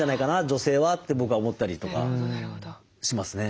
女性はって僕は思ったりとかしますね。